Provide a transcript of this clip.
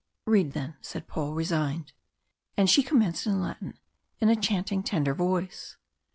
"Read then!" said Paul, resigned. And she commenced in Latin, in a chanting, tender voice.